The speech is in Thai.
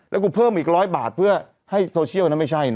แล้วกูเพิ่มอีก๑๐๐บาทเพื่อให้โซเชียลนะไม่ใช่นะ